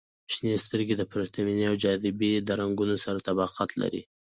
• شنې سترګې د پرتمینې او جاذبې د رنګونو سره تطابق لري.